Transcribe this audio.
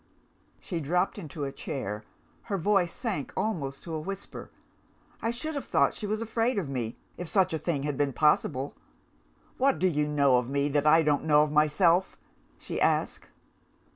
She dropped into a chair; her voice sank almost to a whisper I should have thought she was afraid of me, if such a thing had been possible. 'What do you know of me, that I don't know of myself?' she asked.